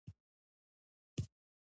د غاښونو د برس کولو په واسطه معلومېږي.